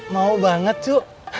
mau banget cu